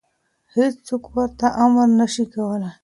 هېڅوک ورته امر نشي کولی.